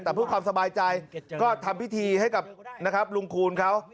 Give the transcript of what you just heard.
แต่เพื่อความสบายใจก็ทำพิธีให้กับนะครับลุงคูณเขา